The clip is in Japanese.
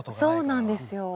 そうなんですよ。